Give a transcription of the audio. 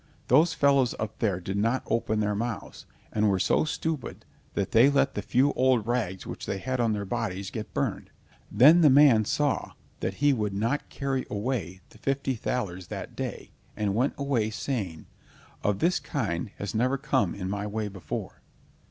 Those fellows up there did not open their mouths, and were so stupid that they let the few old rags which they had on their bodies get burned." Then the man saw that he would not carry away the fifty thalers that day, and went away saying: "One of this kind has never come in my way before."